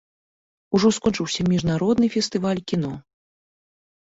Ужо скончыўся міжнародны фестываль кіно.